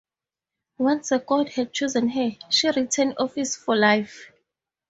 Once the god had chosen her, she retained office for life.